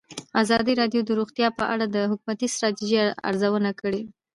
ازادي راډیو د روغتیا په اړه د حکومتي ستراتیژۍ ارزونه کړې.